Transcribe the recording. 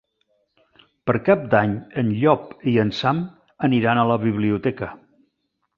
Per Cap d'Any en Llop i en Sam aniran a la biblioteca.